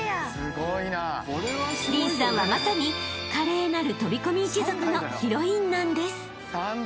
［凜さんはまさに華麗なる飛込一族のヒロインなんです］